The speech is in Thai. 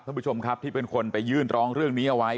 ท่านผู้ชมครับที่เป็นคนไปยื่นร้องเรื่องนี้เอาไว้